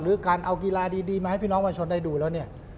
หรือการเอากีฬาดีมาให้พี่น้องประชาชนได้ดูแล้วเนี่ย